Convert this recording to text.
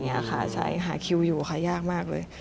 พี่ชวนมาหาคิวอยู่ค่ะยากมากเลย